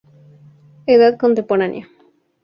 Edad contemporánea.